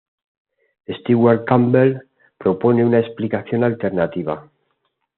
Stewart Campbell propone una explicación alternativa.